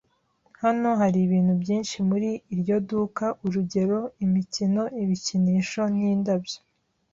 Hano hari ibintu byinshi muri iryo duka, urugero, imikino, ibikinisho, nindabyo